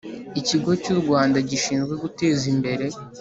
Ikigo cy u Rwanda gishinzwe guteza imbere